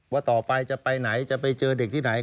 ว่าต่อไปจะไปไหนจะไปเจอเด็กที่ไหน